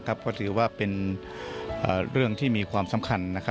ก็ถือว่าเป็นเรื่องที่มีความสำคัญ